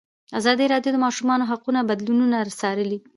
ازادي راډیو د د ماشومانو حقونه بدلونونه څارلي.